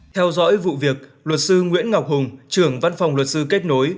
theo dõi vụ việc luật sư nguyễn ngọc hùng trưởng văn phòng luật sư kết nối